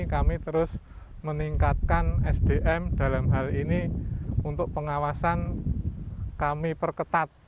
kami terus meningkatkan sdm dalam hal ini untuk pengawasan kami perketat